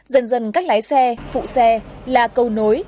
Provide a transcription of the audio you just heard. dần dần các lái xe phụ xe là cầu nối